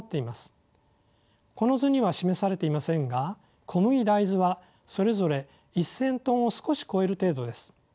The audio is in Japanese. この図には示されていませんが小麦大豆はそれぞれ１，０００トンを少し超える程度です。